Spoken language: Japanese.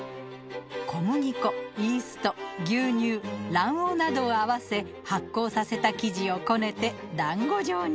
小麦粉イースト牛乳卵黄などを合わせ発酵させた生地をこねてだんご状に。